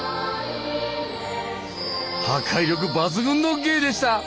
破壊力抜群の芸でした！